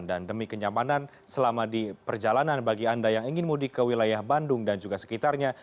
dan demi kenyamanan selama di perjalanan bagi anda yang ingin mudik ke wilayah bandung dan juga sekitarnya